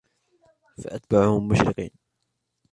فأتبعوهم مشرقين